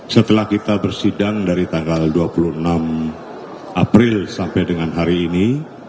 setelah kita bersidang dari tanggal dua puluh enam april sampai dengan hari ini